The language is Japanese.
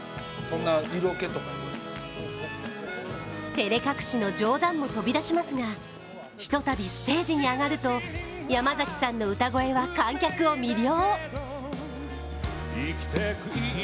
てれ隠しの冗談も飛び出しますが、ひとたびステージに上がると、山崎さんの歌声は、観客を魅了。